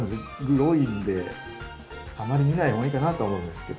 グロいんであまり見ない方がいいかなとは思うんですけど。